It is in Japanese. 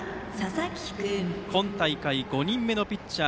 今大会、５人目のピッチャー。